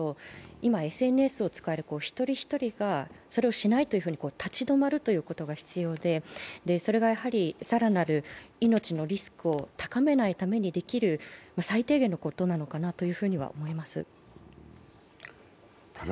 今、ＳＮＳを使える一人一人がそれをしないというふうに立ち止まるということが必要でそれが更なる命のリスクを高めないためにできる最低限のことなのかなとは思います。